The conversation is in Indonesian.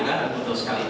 ya betul sekali